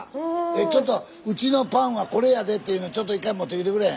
ちょっとうちのパンはこれやでっていうのちょっと一回持ってきてくれへん？